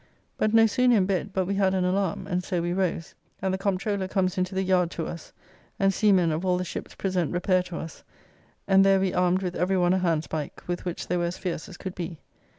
But no sooner in bed, but we had an alarm, and so we rose: and the Comptroller comes into the Yard to us; and seamen of all the ships present repair to us, and there we armed with every one a handspike, with which they were as fierce as could be.